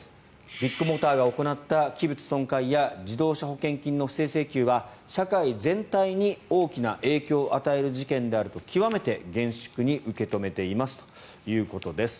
ビッグモーターが行った器物損壊や自動車保険金の不正請求は社会全体に大きな影響を与える事件であると極めて厳粛に受け止めていますということです。